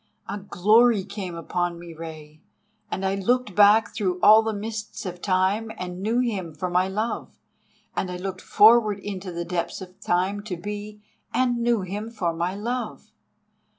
A glory came upon me, Rei, and I looked back through all the mists of time and knew him for my love, and I looked forward into the depths of time to be and knew him for my love.